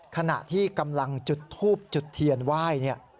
ขณะที่กำลังจุดทูบจุดเทียนไหว้เนี่ย